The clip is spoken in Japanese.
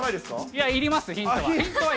いや、いります、ヒントは。